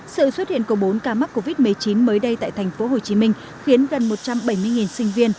sự xuất hiện của bốn ca mắc covid một mươi chín mới đây tại thành phố hồ chí minh khiến gần một trăm bảy mươi sinh viên